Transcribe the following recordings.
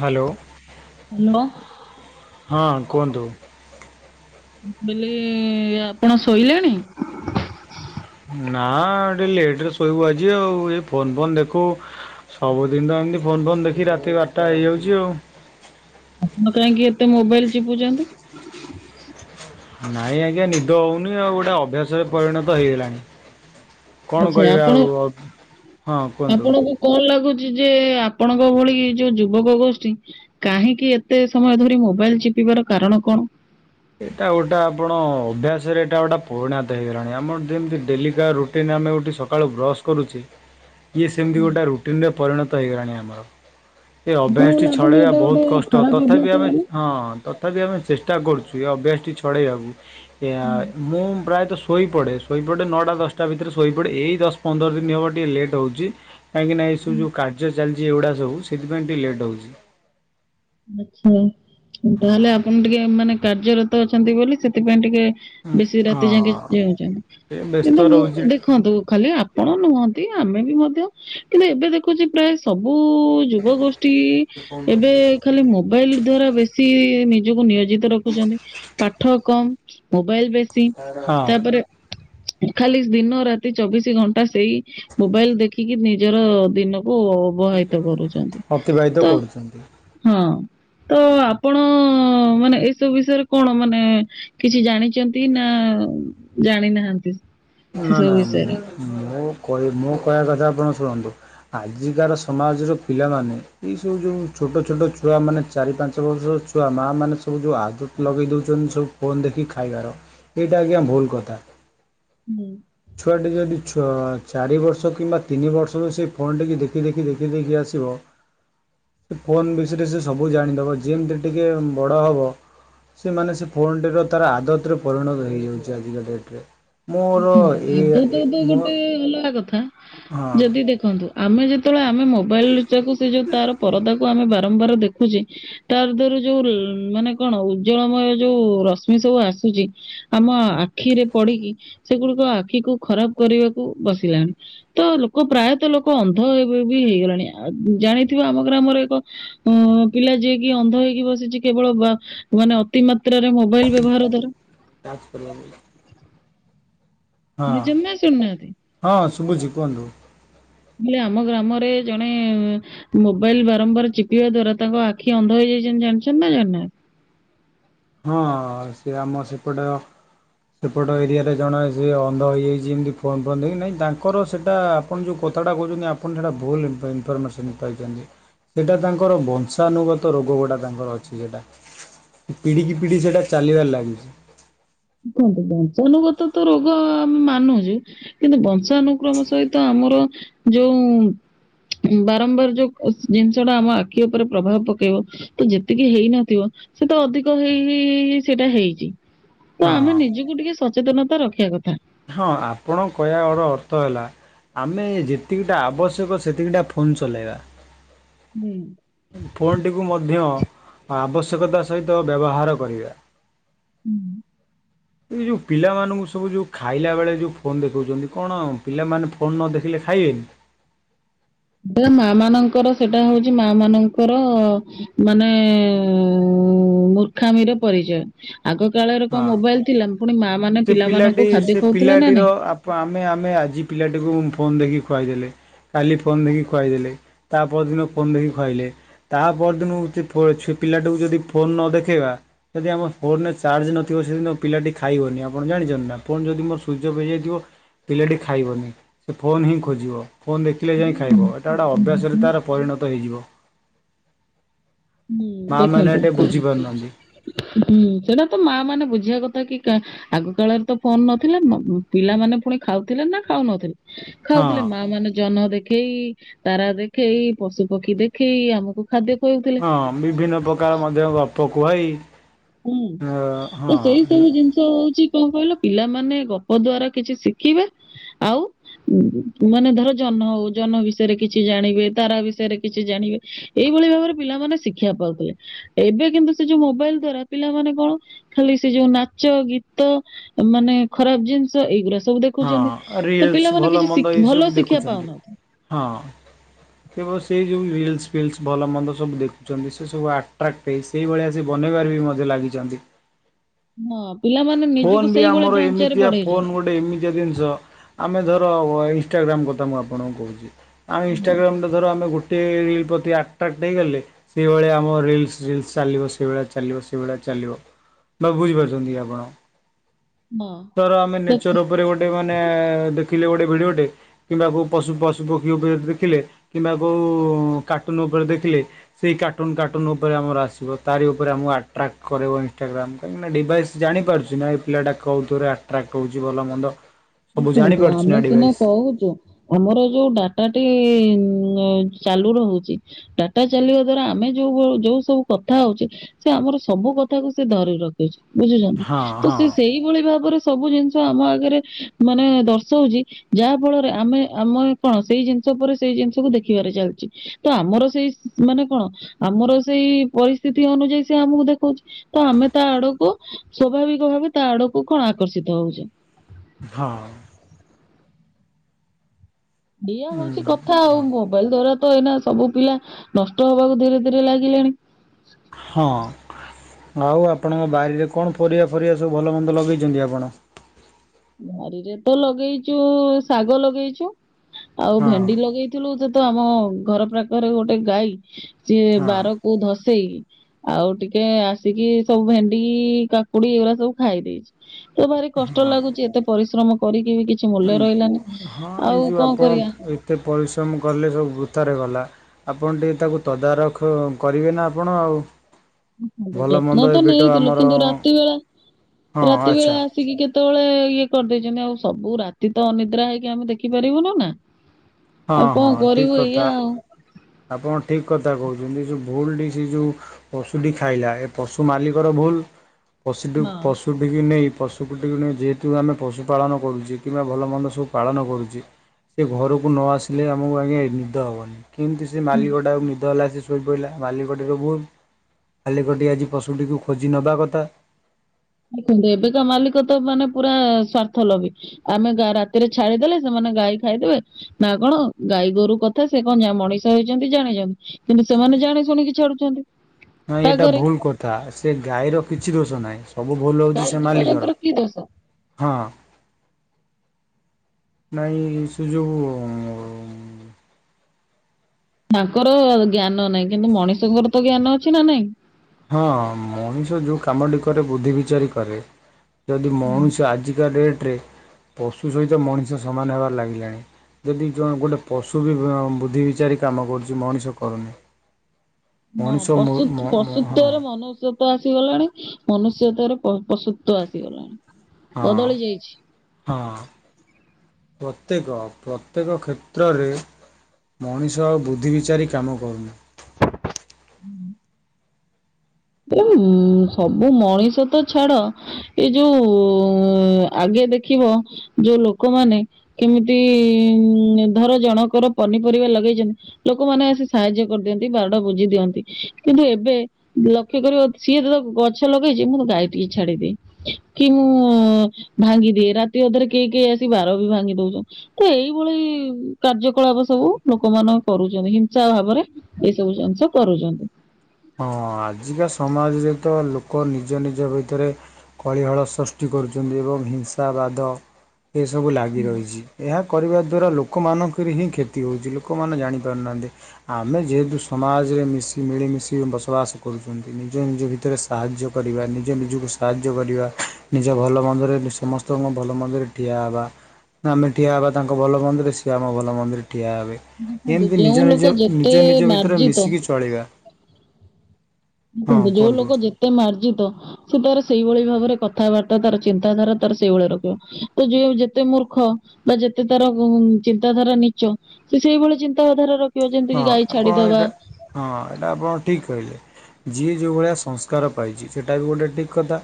Hello. Hello. ହଁ କୁହନ୍ତୁ। ବେଲେ ଆପଣ ଶୋଇଲେଣି। ନା ଟିକେ ଲେଟ ରେ ଶୋଇବୁ ଆଜି ଆଉ ଏ ଫୋନ ଫୋନ ଦେଖୁ ସବୁଦିନ ତ ଏମିତି ଫୋନ ଫୋନ ଦେଖି ରାତି ବାରଟା ହେଇଯାଉଛି ଆଉ। ମ କାହିଁକି ଏତେ ମୋବାଇଲ ଚିପୁଛନ୍ତି। ନାଇଁ ଆଜ୍ଞା ନିଦ ହଉନି ଆଉ ଗୋଟେ ଅଭ୍ୟାସରେ ପରିଣତ ହେଇଗଲାଣି। କଣ ଆଚ୍ଛା କହିବା ଆପଣ ଆଉ ହଁ କୁହନ୍ତୁ। କଣ୍ ଲାଗୁଚି ଯେ ଆପଣଙ୍କ ଭଳି ଏ ଯୋଉ ଯୁବକ ଗୋଷ୍ଠୀ କାହିଁକି ଏତେ ସମୟ ଧରି ମୋବାଇଲ୍ ଚିପିବାର କାରଣ କଣ? ଏଟା ଗୋଟା ଆପଣ ଅଭ୍ୟାସରେ ଏଟା ଗୋଟା ପରିଣତ ହେଇଗଲାଣି ଆମର ଯେମିତି ଡେଲି କା ରୁ ଟିନ୍ ଆମେ ଉଠି ସକାଳୁ ବ୍ରସ୍ କରୁଚି ଇଏ ସେମିତି ଗୋଟେ ରୁଟିନ୍ ରେ ପରିଣତ ହେଇଗଲାଣି ଆମର। ଏ ଆପଣଙ୍କୁ ଅଭ୍ୟାସ୍ ଟି ଲାଗୁନି ଛଡେଇବା ଏଇଟା ଗୋଟେ ବହୁତ କଷ୍ଟ ଖରାପ ତଥାପି ଅଭ୍ୟାସ ଆମେ ବୋଲି? ହଁ ତଥାପି ଆମେ ଚେଷ୍ଟା କରୁଚୁ ଏ ଅଭ୍ୟାସଟି ଛଡ଼େଇବାକୁ ଏଆ ମୁଁ ପ୍ରାୟତ ସୁ ଶୋଇପଡ଼େ ଶୋଇପଡ଼େ ନଅଟା ଦଶଟା ଭିତରେ ଶୋଇପଡ଼େ ଏଇ ଦଶ୍ ପନ୍ଦର ଦିନ ହେବ ଟିକେ ଲେଟ୍ ହଉଚି। କାହିଁକି ନା ଏସବୁ ଯୋଉ କାର୍ଯ୍ୟ ଚାଲିଚି ଏଗୁଡା ସବୁ ସେଥିପାଇଁ ଟିକେ ଲେଟ୍ ହଉଚି। ଆଚ୍ଛା ତାହେଲେ ହଁ ଆପଣ ଟିକେ ମାନେ କାର୍ଯ୍ୟରତ ଅଛନ୍ତି ବୋଲି ସେଥିପାଇଁ ଟିକେ ବେଶୀ ରାତି ଯାଙ୍କେ ହଁ ଚେଉଁଚନ୍ତି ଏ ବ୍ୟସ୍ତ କିନ୍ତୁ ମୁଁ ରହୁଛି ଦେଖନ୍ତୁ ଖାଲି ଆ ଆପଣ ନୁହନ୍ତି ଆମେ ବି ମଧ୍ୟ କିନ୍ତୁ ଏବେ ଦେଖ୍ ଖୁଚି ପ୍ରାୟ ସବୁ ଯୁବ ଗୋଷ୍ଠୀ ଏବେ ଖାଲି ମୋବାଇଲ୍ ଦ୍ଵାରା ବେଶୀ ନିଜକୁ ନିୟୋଜିତ ରଖୁଚନ୍ତି ପାଠ କମ୍ ମୋବାଇଲ୍ ବେଶୀ ହଁ ତାପରେ ଖାଲି ଦିନ ରାତି ଚବିଶି ଘଣ୍ଟା ସେଇ ମୋବାଇଲ୍ ଦେଖିକି ନିଜର ଦିନ ଓ ଅବହିତ କରୁଚନ୍ତି ତ ଛନ୍ତି। ହଁ ତ ଆପଣ ମାନେ ଏଇସବୁ ବିଷୟରେ କଣ ମାନେ କିଛି ଜାଣିଚନ୍ତି ନା ଜାଣି ନାହାନ୍ତି? ନା ନା ମୁଁ କହି ମୋ କହିବା କଥା ଆପଣ ଶୁଣନ୍ତୁ ଆଜିକାର ସମାଜର ପିଲାମାନେ ଏଇସବୁ ଯୋଉ ଛୋଟ ଛୋଟ ଛୁଆମାନେ ଚାରି ପାଞ୍ଚ ବର୍ଷ ଛୁଆ ମାଆ ମାନେ ସବୁ ଯୋଉ ଆଦତ୍ ଲଗେଇ ଦଉଚନ୍ତି ସବୁ ଫୋନ୍ ଦେଖିକି ଖାଇବାର ଏଇଟା ଆଜ୍ଞା ଭୁଲ୍ କଥା। ହୁଁ। ଛୁଆଟି ଯଦି ଛ ଚାରି ବର୍ଷ କିମ୍ବା ତିନି ବର୍ଷରୁ ସେ ଫୋନ୍ ଟିକୁ ଦେଖି ଦେଖି ଦେଖି ଦେଖି ଆସିବ ଫୋନ୍ ବିଷୟରେ ସେ ସବୁ ଜାଣିଦେବ ଯେମିତି ଟିକେ ବଡ଼ ହବ ସେମାନେ ସେ ଫୋନ୍ ଟିର ତାର ଆଦତ୍ ରେ ପରିଣତ ହେଇଯାଉଚି ଆଜିକା ଡେଟ୍ ରେ ମୋର ଏ ଆଦତ୍ ତ ମୋ ଗୋଟେ ଅଲଗା କଥା ହଁ। ଯଦି ଦେଖନ୍ତୁ ଆମେ ଯେତେବେଳେ ଆମେ ମୋବାଇଲ ଲୁଚାକୁ ସେ ଯଉ ତାର ପରଦାକୁ ଆମେ ବାରମ୍ବାର ଦେଖୁଚେ ତାର ଦେରୁ ଯଉ ମାନେ କଣ ଉଜ୍ଜଳମୟ ଯଉ ରଶ୍ମି ସବୁ ଆସୁଚି ଆମ ଆଖିରେ ପଡିକି ସେଗୁଡିକ ଆଖିକୁ ଖରାପ କରିବାକୁ ବସିଲାଣି। ତ ଲୋକ ପ୍ରାୟତ ଲୋକ ଅନ୍ଧ ବି ହେଇଗଲାଣି ଆ ଜାଣିଥିବ ଆମ ଗ୍ରାମରେ ଏକ ଅ ପିଲା ଯିଏକି ଅନ୍ଧ ହେଇକି ବସିଚି କେବଳ ବା ମାନେ ଅତି ମାତ୍ରାରେ ମୋବାଇଲ୍ ବ୍ୟବହାର ଦର [unintelligible] ହଁ ନିଯୁମ୍ ନା ଶୁଣୁ ନାହାନ୍ତି। ହଁ ଶୁଭୁଚି କୁହନ୍ତୁ। ହିଲି ଆମ ଗ୍ରାମରେ ଜଣେ ମୋବାଇଲ ବାରମ୍ବାର ଚିପିବା ଦ୍ଵାରା ତାଙ୍କ ଆଖି ଅନ୍ଧ ହେଇଯାଇଚନ୍ତି ଜାଣିଛନ୍ତି ନା ଜାଣିନାହାନ୍ତି? ହଁ ସେ ଆମ ସେପଟ ସେପଟ ଏରିଆରେ ଜଣେ ସେ ଅନ୍ଧ ହେଇଯାଇଛି ଏମିତି ଫୋନ୍ ଫୋନ୍ ଦେଖଗକି ନାଇଁ ତାଙ୍କର ସେଇଟା ଆପଣ ଯଉ କଥାଟା କହୁଚନ୍ତି ଆପଣ ସେଟା ଭୁଲ୍ ଇନଫର୍ମେସନ୍ ପାଇଚନ୍ତି। ସେଟା ତାଙ୍କର ବଂଶାନୁଗତ ରୋଗ ଗୁଡ଼ା ତାଙ୍କର ଅଛି ସେଟା। ପିଢିକି ପିଢ଼ି ସେଟା ଚାଲିବାରେ ଲାଗିଚି। ଶୁଣନ୍ତୁ ବଂଶାନୁଗତ ତ ରୋଗ ଆମେ ମାନୁଚୁ କିନ୍ତୁ ବଂଶ ବଂଶାନୁକ୍ରମ ସହିତ ଆମର ଯଉଁ ବାରମ୍ବାର ଯଉ କ ଜିନିଷ ଟା ଆମ ଆଖି ଉପରେ ପ୍ରଭାବ ପକେଇବ ତ ଯେତିକି ହେଇନଥିବ ସେ ତ ଅଧିକ ହେଇ ହେଇ ହେଇ ସେଟା ହେଇଚି। ତ ଆମେ ହଁ ନିଜକୁ ଟିକେ ସଚେତନତା ରଖିଆ କଥା। ହଁ ଆପଣଙ୍କ କହିବା ଗଡ ଅର୍ଥ ହେଲା ଆମେ ଯେତିକିଟା ଆବଶ୍ୟକ ସେତିକିଟା ଫୋନ୍ ଚଲେଇବା। ହୁଁ। ଫୋନ୍ ଟିକୁ ମଧ୍ୟ ଆବଶ୍ୟକତା ସହିତ ବ୍ୟବହାର କରିବା। [inaudible] ଏଇ ଯୋଉ ପିଲାମାନଙ୍କୁ ସବୁ ଯୋଉ ଖାଇଲା ବେଳେ ଯେଉଁ ଫୋନ୍ ଦେଖଉଛନ୍ତି। କଣ ପିଲାମାନେ ଫୋନ୍ ନ ଦେଖିଲେ ଖାଇବେନି। ମା ମାନଙ୍କର ସେଟା ହଉଛି। ମା ମାନଙ୍କର ମାନେ ମୁ ମୁର୍ଖାମିର ପରିଚୟ ଆଗ କାଳରେ କଣ ହଁ ମୋବାଇଲ ଥିଲା ପୁଣି ମା ମାନେ ସେ ପିଲାଟି ପିଲାମାନଙ୍କୁ ସେ ଖାଦ୍ୟ ଖଉଥିଲେ ନା ପିଲାଟିର ନାଇଁ ଆପ୍ ଆମେ ଆମେ ଆଜି ପିଲାଟିକୁ ଫୋନ୍ ଦେଖିକି ଖୁଆଇଦେଲେ କାଲି ଫୋନ୍ ଦେଖିକି ଖୁଆଇଦେଲେ ତା ପରଦିନ ଫୋନ୍ ଦେଖିକି ଖୁଆଇଲେ ତା ପରଦିନ ସେ ପିଲାଟାକୁ ଯଦି ଫୋନ ନ ଦେଖେଇବା ଯଦି ଆମ ଫୋନରେ ଚାର୍ଜ ନଥିବ ସେଦିନ ପିଲାଟି ଖାଇବନି ଆମ ଆପଣ ଜାଣିଛନ୍ତ ନା ପୁଣି ଯଦି ମୋର ସୁଇଚ୍ ଅଫ୍ ହେଇଯାଇଥିବ ପିଲାଟି ଖାଇବନି। ସେ ଫୋନ୍ ହିଁ ଖୋଜିବ ଫୋନ୍ ଦେଖିଲେ ଯାଇ ଖାଇବ ଏଇଟା ଗୋଟେ ଅଭ୍ୟାସରେ ତାର ପରିଣତ ହେଇଯିବ। ମା ମାନେ ଦେଖନ୍ତୁ। ଏଟେ ବୁଝିପାରୁନାହାନ୍ତି ହୁଁ ସେଇଟା ତ ମା ମାନେ ବୁଝିବା କଥା କି କା ଆଗ କାଳରେ ତ ଫୋନ ନଥିଲା ପିଲାମାନେ ପୁଣି ଖାଉଥିଲେ ନା ଖାଉନଥିଲେ ହଁ ଖାଉଥିଲେ ମା ମାନେ ଜହ୍ନ ଦେଖ ଦେଖେଇ ତାରା ଦେଖେଇ ପଶୁ ପକ୍ଷୀ ଦେଖେଇ ଆମକୁ ଖାଦ୍ୟ ଖଉ ଥି ହଁ ବିଭିନ୍ନ ପ୍ରକାର ମଧ୍ୟ ଗପ କୁହଇ ହୁଁ ସେଇ ସବୁ ଜିନିଷ ହଉଛି କଣ କହିଲ ପିଲାମାନେ ଗପ ଦ୍ଵାରା କିଛି ଶିଖିବେ ଆଉ ମାନେ ଧର ଜହ୍ନ ହଉ ଜହ୍ନ ବିଷୟରେ କିଛି ଜାଣିବେ ତାରା ବିଷୟରେ କିଛି ଜାଣିବେ। ଏଇଭଳି ଭାବରେ ପିଲାମାନେ ଶିକ୍ଷା ପାଉଥିଲେ ଏବେ କିନ୍ତୁ ସେ ଯୋଉ ମୋବାଇଲ ଦ୍ଵାରା ପିଲାମାନେ କଣ ଖାଲି ସେ ଯୋଉ ନାଚ ଗୀତ ମାନେ ଖରାପ ଜିନିଷ ଏଇଗୁଡା ସବୁ ହଁ ଦେଖୁଛନ୍ତି ତ ରିଲସ ପିଲାମାନେ ଭଲ କିଛି ମନ୍ଦ ଏଇ ସବୁ ଭଲ ଶିକ୍ଷା ଦେଖୁଛନ୍ତି ପାଉନାହାନ୍ତି। ହଁ ଅ। କେବଳ ସେଇ ଯେଉଁ ରିଲସ ଫିଲ୍ସ ଭଲ ମନ୍ଦ ସବୁ ଦେଖୁଛନ୍ତି ସେ ସବୁ ଆଟ୍ରାକ୍ଟ ସେ ସେହିଭଳି ସେ ବନେଇବାରେ ବି ମଧ୍ୟ ଲାଗିଛନ୍ତି। ହଁ ପିଲାମାନେ ଫୋନ୍ ନିଜକୁ ବି ସେଇଭଳି ଆମର ଢାଞ୍ଚରେ ଏମିତିଆ ଫୋନ୍ ବଢେଇଛନ୍ତି। ଗୋଟେ ଏମିତିଆ ଜିନିଷ ଆମେ ଧର ଇନଷ୍ଟାଗ୍ରାମ କଥା ମୁଁ ଆପଣଙ୍କୁ କହୁଛନ୍ତି। ଆମେ ହଁ ଇନଷ୍ଟାଗ୍ରାମ ରେ ଧର ଆମେ ଗୋଟେ ରିଲ ପ୍ରତି ଆଟ୍ରାକ୍ଟ ହେଇଗଲେ ସେଇଭଳି ଆମ ରିଲସ ରିଲ୍ସ ଚାଲିବ ସେଇଭଳିଆ ଚାଲିବ ସେଇଭଳିଆ ଚାଲିବ। ତ ବୁଝିପାରୁଛନ୍ତି ଆପଣ ଧର ଆମେ ହଁ ତ ନେଚର ଉ ଉପରେ ଗୋଟେ ମାନେ ଦେଖିଲେ। ଗୋଟେ ଭିଡିଓଟେ। କିମ୍ବା କୋଉ ପଶୁ ପଶୁ ପକ୍ଷୀ ଉପରେ ଦେଖିଲେ। କିମ୍ବା କୋଉ କାର୍ଟୁନ ଉପରେ ଦେଖିଲେ। ସେଇ କାର୍ଟୁନ କାର୍ଟୁନ ଉପରେ ଆମର ଆସିବ। ତାରି ଉପରେ ଆମକୁ ଆଟ୍ରାକ୍ କରିବ ଇନ୍‌ଷ୍ଟାଗ୍ରାମ୍। କାହିଁକି ନା ଡିଭାଇସ୍‌ ଜାଣି ପାରୁଛି ନା ଏଇ ପିଲାଟା କଉଥିରେ ଆଟ୍ରାକ୍ଟ ହୋଉଛି ଭଲ ମନ୍ଦ। ସବୁ ଦେଖନ୍ତୁ ଜାଣିପାରୁଛି ନା ଆମେ ସିନା ଡିଭାଇସ୍ କହୁଛୁ। ଆମର ଏ ଯୋଉ ଡାଟାଟି ଚାଲୁ ରହୁଚି। ଡାଟା ଚାଲିବା ଦ୍ଵାରା ଆମେ ଯୋଉ ଯୋଉ ସବୁ କଥା ହୋଉଚେ ସେ ଆମର ସବୁ କଥା କୁ ସେ ଧରି ରଖୁ ବୁଝୁଛନ୍ତି ହଁ ତ ହଁ ସେ ସେଇଭଳି ଭାବରେ ସବୁ ଜିନିଷ ଆମ ଆଗରେ ମାନେ ଦର୍ଶଉଚି। ଯାହା ଫଳରେ ଆମେ ଆମେ କଣ ସେଇ ଜିନିଷ ଉପରେ ସେଇ ଜିନିଷକୁ ଦେଖିବାରେ ଚାଲିଚି। ତ ଆମର ସେଇ ମାନେ କଣ ଆମର ସେଇ ପରିସ୍ଥିତି ଅନୁଯାୟୀ ସେ ଆମକୁ ଦେଖଉଚି। ତ ଆମେ ତା ଆଡକୁ ସ୍ଵାଭାବିକ ଭାବେ ତା ଆଡକୁ କଣ ଆକର୍ଷିତ ହୋଉଚେ। ହଁ। ଦିଆ ହୁଁ ହୋଉଚି କଥା ଆଉ ହଁ ମୋବାଇଲ୍ ଦ୍ଵାରା ତ ଏଇନା ସବୁ ପିଲା ନଷ୍ଟ ହବାକୁ ଧୀରେ ଧୀରେ ଲାଗିଲେଣି। ହଁ ଆଉ ଆପଣଙ୍କ ବାଡିରେ କଣ ପରିବା ଫରିବା ସବୁ ଭଲ ମନ୍ଦ ଲଗେଇଛନ୍ତି ଆପଣ? ବାଡ଼ିରେ ତ ଲଗେଇଚୁ ଶାଗ ଲଗେଇଚୁ ଆଉ ହଁ ଭେଣ୍ଡି ଲଗେଇ ଥିଲୁ ଯେ ତ ଆମ ଘର ପାଖରେ ଗୋଟେ ଗାଈ ସିଏ ହଁ ବାରକୁ ଧସେଇ ଆଉ ଟିକେ ଆସିକି ସବୁ ଭେଣ୍ଡି, କାକୁଡି ଏଇଗୁଡା ସବୁ ଖାଇ ଦେଇଛି। ତ ଭାରି କଷ୍ଟ ହଁ ଲାଗୁଚି ଏତେ ପରିଶ୍ରମ କରିକି ବି କିଛି କିଛି ମୂଲ୍ୟ ରହିଲାନି ହଁ ଏଇ ଆଉ ଯୋଉ କଣ ଆପଣ କରିବା? ଏତେ ପରିଶ୍ରମ କଲେ ସବୁ ବୃଥାରେ ଗଲା। ଆପଣ ଟିକେ ତାକୁ ତଦାରଖ କରିବେ ନା ଆପଣ ଆଉ। ଭଲ ଯତ୍ନ ମନ୍ଦ ତ ଏବେଠୁ ନେଇଥିଲୁ ଆମର କିନ୍ତୁ ରାତି ବେଳା ହଁ ରାତି ବେଳା ଆଚ୍ଛା ଆସିକି କେତେବେଳେ ଇଏ କରିଦେଇଛନ୍ତି ଆଉ ସବୁ ରାତି ତ ଅନିଦ୍ରା ହେଇକି ଆମେ ଦେଖିପାରିବୁନି ନା। ହଁ ଆଉ ହଁ କଣ ଠିକ୍ କରିବୁ କଥା। ଏଇଆ ଆଉ। ଆପଣ ଠିକ୍ କଥା କହୁଛନ୍ତି ଏଇ ଯୋଉ ଭୁଲ୍ ଡିସି ଯୋଉ ପଶୁଟି ଖାଇଲା ଏ ପଶୁ ମାଲିକର ଭୁଲ୍ ପଶିଟୁ ହଁ। ପଶୁ ଟିକି ନେଇ ପଶୁକୁ ଟିକି ନେଇ ଯେହେତୁ ଆମେ ପଶୁ ପାଳନ କରୁଚେ କିମ୍ବା ଭଲ ମନ୍ଦ ସବୁ ପାଳନ କରୁଚି। ସେ ଘରକୁ ନ ଆସିଲେ ଆମକୁ ଆଜ୍ଞା ନିଦ ହବନି କିନ୍ତି ସେ ମାଲିକ ଟାକୁ ନିଦ ହେଲା ଯେ ଶୋଇ ପଇଲା ମାଲିକଟି ର ଭୁଲ୍ ମାଲିକଟି ଆଜି ପଶୁଟିକୁ ଖୋଜି ନେବା କଥା। ଦେଖନ୍ତୁ ଏବେକା ମାଲିକ ତ ମାନେ ପୁରା ସ୍ଵାର୍ଥ ଲଗେଇଛି। ଆମେ ଗା ରାତିରେ ଛାଡିଦେଲେ ସେମାନେ ଗାଈ ଖାଇଦେବେ। ନା କଣ ଗାଈ ଗୋରୁ କଥା ସେ କଣ ଯା ମଣିଷ ହେଇଛନ୍ତି ଜାଣିଛନ୍ କିନ୍ତୁ ସେମାନେ ଜାଣି ଶୁଣିକି ଛାଡୁଛନ୍ତି। ନାଇଁ ଏଇଟା ରାଗରେ ଭୁଲ୍ କଥା ସେ ଗାଈର କିଛି ଦୋଷ ନାହିଁ। ସବୁ ଭୁଲ୍ ହୋଉଛି ଗାଈ ସେ ଜୀବଜନ୍ତୁର ମାଲିକର। କି ଦୋଷ ହଁ ନାଇଁ ସେ ଯୋଉ ତାଙ୍କର ଜ୍ଞାନ ନାହିଁ କିନ୍ତୁ ମଣିଷଙ୍କର ତ ଜ୍ଞାନ ଅଛି ନା ନାଇଁ। ହଁ ମଣିଷ ଯୋଉ କାମଟି କରେ ବୁଦ୍ଧି ବିଚାରୀ କରେ। ଯଦି ମଣିଷ ଆଜିକା ଡେଟ୍ ରେ ପଶୁ ସହିତ ମଣିଷ ସମାନ ହେବାର ଲାଗିଲାଣି। ଯଦି ଜଣେ ଗୋଟେ ପଶୁ ବି ବୁଦ୍ଧି ବିଚାରି କାମ କରୁଛି ମଣିଷ କରୁନି। ହଁ ମଣିଷ ମ ପଶୁ ମ ପଶୁତ୍ୱରେ ମନୁଷ୍ୟତ ଆସିଗଲାଣି ମନୁଷ୍ୟତାର ପସୁତ୍ୱ ଆସିଗଲାଣି। ହଁ ବଦଳି ଯାଇଛି। ହଁ। ପ୍ରତ୍ୟେକ ପ୍ରତ୍ୟେକ କ୍ଷେତ୍ରରେ ମଣିଷ ଆଉ ବୁଦ୍ଧି ବିଚାରି କାମ କରୁନି। [inaudible] [unintelligible] ସବୁ ମଣିଷ ତ ଛାଡ଼ ଏଇ ଯୋଉ ଆଗେ ଦେଖିବ ଯୋଉ ଲୋକମାନେ କେମିତି ଉ ଧର ଜଣଙ୍କର ପନିପରିବା ଲଗେଇଛନ୍ତି ଲୋକମାନେ ଆସି ସାହାଯ୍ୟ କରିଦିଅନ୍ତି ବାଡ ବୁଝି ଦିଅନ୍ତି କିନ୍ତୁ ଏବେ ବ୍ଲକ୍ ଲକ୍ଷ୍ୟ କରିବ ସିଏ ତ ଗଛ ଲଗେଇଛି ମୁଁ ଗାଈ ଟିକେ ଛାଡ଼ିଦିଏ। କି ମୁଁ ଭାଙ୍ଗିଦିଏ ରାତି ଅଧରେ କେହି କେହି ଆସିବି ବାର ବି ଭାଙ୍ଗି ଦଉଛନ୍ତୀ। ତ ଏଇଭଳି କାର୍ଯ୍ୟକଳାପ ସବୁ ଲୋକ ମାନେ କରୁଛନ୍ତି ହିଂସା ଭାବରେ। ଏଇ ସବୁ ଜିନିଷ କରୁଛନ୍ତି। ହଁ ଆଜିକା ସମାଜରେ ତ ଲୋକ ନିଜ ନିଜ ଭିତରେ କଳିହଳ ସୃଷ୍ଟି କରୁଛନ୍ତି ଏବଂ ହିଂସା ବାଦ ଏସବୁ ଲାଗି ରହିଛି ଏହା କରିବା ଦ୍ୱାରା ଲୋକମାନଙ୍କର ହିଁ କ୍ଷତି ହେଉଛି ଲୋକମାନେ ଜାଣିପାରୁନାହାଁନ୍ତି। ଆମେ ଯେହେତୁ ସମାଜରେ ମିଶି ମିଳିମିଶି କି ବସବାସ୍ କରୁଛନ୍ତି ନିଜେ ନିଜେ ଭିତରେ ସାହାଯ୍ୟ କରିବା ନିଜ ନିଜକୁ ସାହାଯ୍ୟ କରିବା। ନିଜ ଭଲ ମନ୍ଦରେ ସମସ୍ତଙ୍କ ଭଲ ମନ୍ଦିରେ ଠିଆ ହେବା ନି ଆମେ ଠିଆ ହେବା ତାଙ୍କ ଭଲ ମନ୍ଦରେ ସିଏ ଆମ ଭଲ ମନ୍ଦରେ ଠିଆ ହେବେ। ଦେଖନ୍ତୁ ଯେମିତି ଯୋଉ ନିଜ ଲୋକ ନିଜ ଯେତେ ନିଜ ନିଜ ଭିତରେ ମାର୍ଜିତ ମିଶିକି ଚଳିବା। ହଁ ଦେଖନ୍ତୁ ଯୋଉ କୁହନ୍ତୁ ଲୋକ ଯେତେ ମାର୍ଜିତ ସେ ତାର ସେଇଭଳି ଭାବରେ କଥାବାର୍ତ୍ତା ତାର ଚିନ୍ତାଧାରା ତାର ସେଇଭଳି ରଖିବ। ତ ଯୋଉ ଯେତେ ମୂର୍ଖ ବା ଯେତେ ତାର ଚିନ୍ତାଧାରା ନିଚ ସେ ସେଇଭଳି ଚିନ୍ତା ଧାରା ରଖିବ ଯେମିତି ହଁ କି ଗାଈ ଆପଣ ଛାଡିଦବା ଏଇଟା ହଁ ଏଇଟା ଆପଣ ଠିକ୍ କହିଲେ ଯିଏ ଯେଉଁ ଭଳିଆ ସଂସ୍କାର ପାଇଛି ସେଇଟା ବି ଗୋଟେ ଠିକ କଥା।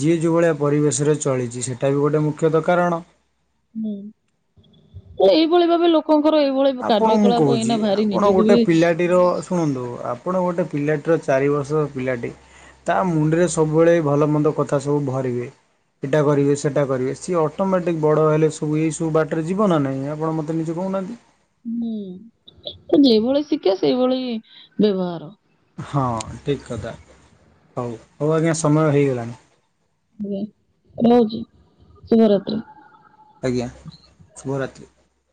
ଯିଏ ଯଉଭଳିଆ ପରିବେଶରେ ଚଳିଛି ସେଟା ବି ଗୋଟେ ମୁଖ୍ୟତଃ କାରଣ। ହୁଁ ଏଇଭଳି ଭାବରେ ଲୋ ଲୋକଙ୍କର ଏଇଭଳି କାର୍ଯ୍ୟକଳାପ ଏଇନା ଭାରି ନିଜକୁ ବି ର ଶୁଣନ୍ତୁ ଆପଣ ଗୋଟେ ପିଲାଟିର ଚାରି ବର୍ଷର ପିଲାଟି ତା ମୁଣ୍ଡରେ ସବୁବେଳେ ଏ ଭଲ ମନ୍ଦ କଥା ସବୁ ଭରିବେ। ଏଟା ଭରିବେ ସେଟା ଭରିବେ ସିଏ ଅଟୋମେଟିକ୍ ବଡ ହେଲେ ସବୁ ଏଇ ସବୁ ବାଟରେ ଯିବ ନା ନାହିଁ ଆପଣ ମତେ ନିଜେ କହୁନାହାନ୍ତି। ହୁଁ ଯେ ଭଳି ଶିକ୍ଷା ସେଇଭଳି ବ୍ୟବହାର। ହଁ ଠିକ କଥା ହଉ ହଉ ଆଜ୍ଞା ସମୟ ହେଇଗଲାଣି। ଆଜ୍ଞା ରହୁଛି ଶୁଭରାତ୍ରି। ଆଜ୍ଞା ଶୁଭରାତ୍ରି।